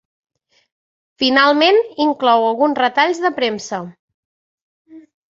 Finalment, inclou alguns retalls de premsa.